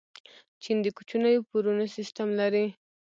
چین د کوچنیو پورونو سیسټم لري.